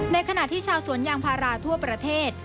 ขณะที่ชาวสวนยางพาราทั่วประเทศ